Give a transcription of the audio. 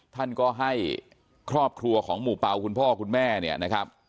ท่านก็ให้ครอบครัวของหมู่เป่าคุณพ่อคุณแม่เนี่ยนะครับ